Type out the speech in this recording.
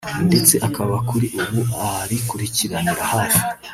ndetse akaba kuri ubu arikurikiranira hafi